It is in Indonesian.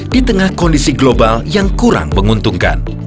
di tengah kondisi global yang kurang menguntungkan